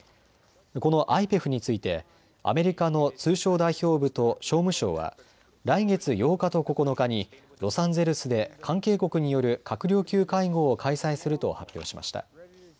このＩＰＥＦについてアメリカの通商代表部と商務省は来月８日と９日にロサンゼルスで関係国による閣僚級会合を開催すると発表しました。